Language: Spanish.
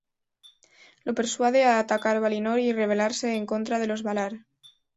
Lo persuade a atacar Valinor y rebelarse en contra de los Valar.